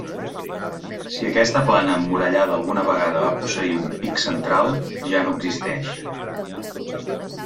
Si aquesta plana emmurallada alguna vegada va posseir un pic central, ja no existeix.